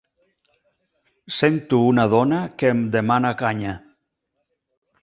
Sento una dona que em demana canya.